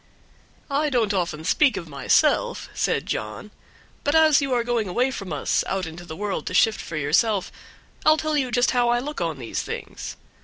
"I don't often speak of myself," said John, "but as you are going away from us out into the world to shift for yourself I'll just tell you how I look on these things.